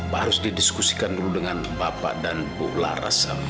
harus didiskusikan dulu dengan bapak dan bu laras